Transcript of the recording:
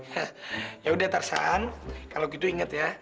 hah yaudah tarzan kalo gitu inget ya